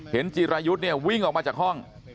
จิรายุทธ์เนี่ยวิ่งออกมาจากห้อง